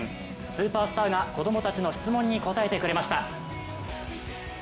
スーパースターが子供たちの質問に答えてくれました。